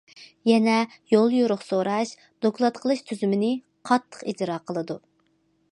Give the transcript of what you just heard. يەنە يوليورۇق سوراش، دوكلات قىلىش تۈزۈمىنى قاتتىق ئىجرا قىلىدۇ.